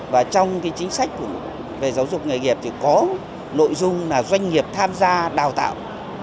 và trong chính sách về giáo dục nghề nghiệp thì có nội dung là doanh nghiệp tham gia đào tạo